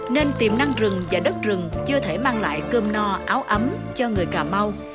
nên tiềm năng rừng và đất rừng chưa thể mang lại cơm no áo ấm cho người cà mau